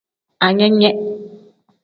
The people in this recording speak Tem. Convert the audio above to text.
Anene.